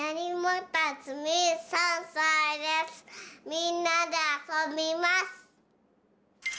みんなであそびます！